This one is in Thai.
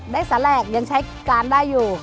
ได้สังแรกยังใช้การได้อยู่